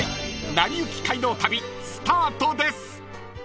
［『なりゆき街道旅』スタートです］